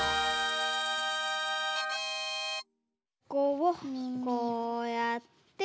ここをこうやって。